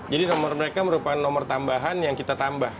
jadi nomor mereka merupakan nomor tambahan yang kita tambah